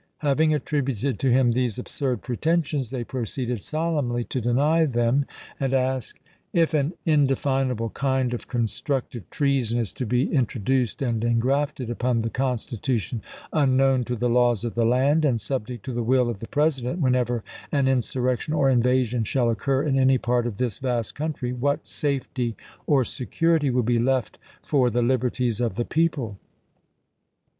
Having attributed to him these absurd pretensions, they proceeded solemnly to deny them, and ask : If an indefinable kind of constructive treason is to be in troduced and engrafted upon the Constitution unknown to the laws of the land and subject to the will of the " Annual President, whenever an insurrection or invasion shall cycio^ occur in any part of this vast country, what safety or isSTpfsos. security will be left for the liberties of the people